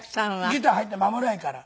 ギター入って間もないから。